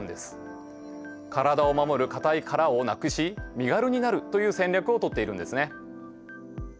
体を守る硬い殻をなくし身軽になるという戦略をとっているんですね。